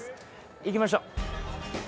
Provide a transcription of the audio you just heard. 行きましょう。